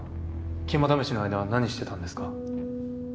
肝試しの間何してたんですか？